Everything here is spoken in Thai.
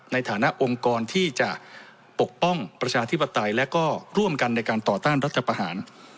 ในฐานะองค์กรที่จะปกป้องประชาธิปไตยและก็ร่วมกันในการต่อต้านรัฐประหาร